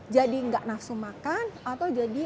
jadi enggak nafsu makan atau jadi